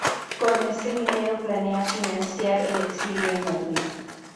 Con ese dinero planea financiar el exilio en Madrid.